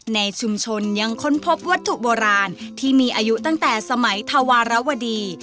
ในชุมชนยังค้นพบวัตถุโบราณที่มีอายุตั้งแต่สมัยธวรวดี